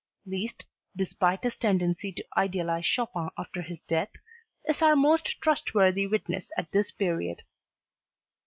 Liszt, despite his tendency to idealize Chopin after his death, is our most trustworthy witness at this period.